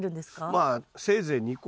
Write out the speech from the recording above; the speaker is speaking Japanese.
まあせいぜい２個。